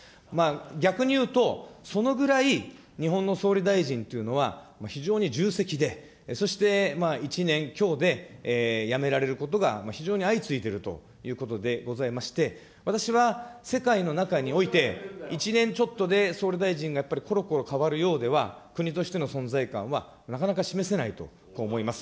逆に言うと、そのぐらい日本の総理大臣というのは非常に重責で、そして１年強で辞められることが非常に相次いでいるということでございまして、私は世界の中において、１年ちょっとで総理大臣が、やっぱりころころ変わるようでは、国としての存在感はなかなか示せないと、こう思います。